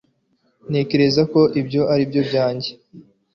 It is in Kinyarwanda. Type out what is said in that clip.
ntekereza ko ibyo ari ibyanjye